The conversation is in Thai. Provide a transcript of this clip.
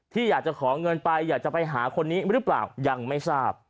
ที่อยากจะขอเงินไปอยากจะไปหาคนนี้หรือเปล่ายังไม่ทราบ